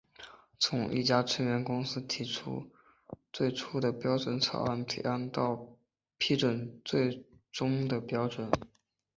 从一家成员公司提出最初的标准草案的提案到批准最终的标准。